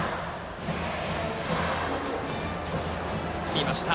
見ました。